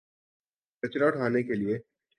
کچرا اٹھانے کے لیے۔